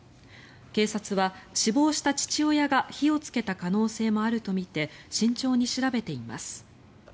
警察は死亡した父親が火をつけた可能性もあるとみて慎重に調べています。